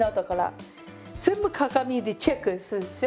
全部鏡でチェックするんですよ。